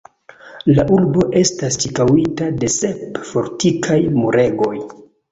La urbo estas ĉirkaŭita de sep fortikaj muregoj.